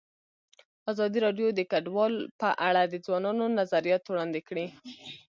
ازادي راډیو د کډوال په اړه د ځوانانو نظریات وړاندې کړي.